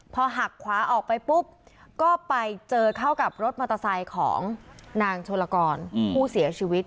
พอหักขวาออกไปปุ๊บก็ไปเจอเข้ากับรถมอเตอร์ไซค์ของนางโชลกรผู้เสียชีวิต